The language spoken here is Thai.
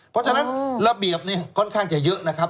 เพราะฉะนั้นระเบียบเนี่ยค่อนข้างจะเยอะนะครับ